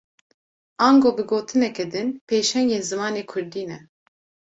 Ango bi gotineke din, pêşengên zimanê Kurdî ne